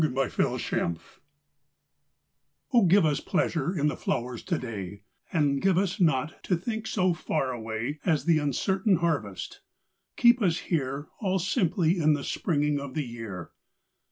A Prayer in Spring OH, give us pleasure in the flowers to day; And give us not to think so far awayAs the uncertain harvest; keep us hereAll simply in the springing of the year.